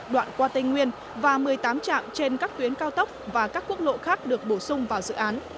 đoạn qua tây nguyên và một mươi tám trạm trên các tuyến cao tốc và các quốc lộ khác được bổ sung vào dự án